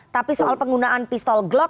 tapi soal penggunaan pistol glock